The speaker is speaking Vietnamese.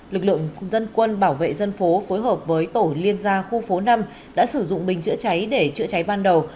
lực lượng dân quân bảo vệ dân phố phối hợp với tổ liên gia khu phố năm đã sử dụng bình chữa cháy để chữa cháy ban đầu